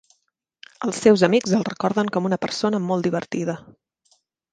Els seus amics el recorden com una persona molt divertida.